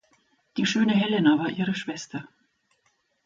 Die schöne Helena war ihre Schwester.